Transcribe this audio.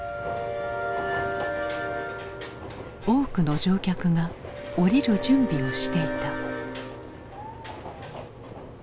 多くの乗客が降りる準備をしていた。